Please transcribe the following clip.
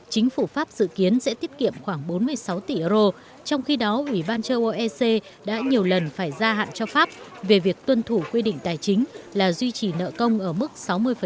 chính phủ pháp dự kiến sẽ tiết kiệm khoảng bốn mươi sáu tỷ euro trong khi đó ủy ban châu âu ec đã nhiều lần phải gia hạn cho pháp về việc tuân thủ quy định tài chính là duy trì nợ công ở mức sáu mươi